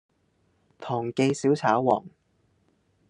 堂記小炒皇